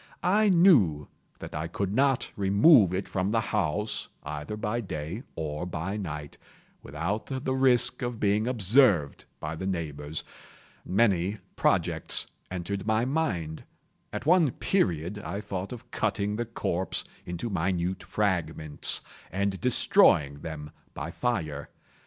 I knew that I could not remove it from the house, either by day or by night, without the risk of being observed by the neighbors. Many projects entered my mind. At one period I thought of cutting the corpse into minute fragments, and destroying them by fire.